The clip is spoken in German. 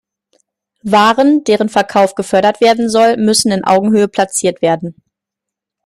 Waren, deren Verkauf gefördert werden soll, müssen in Augenhöhe platziert werden.